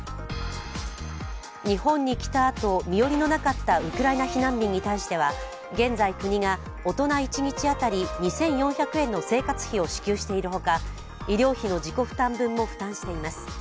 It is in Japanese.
日本に来たあと、身寄りのなかったウクライナ避難民に対しては現在、国が大人一日当たり２４００円の生活費を支給しているほか、医療費の自己負担分も負担しています。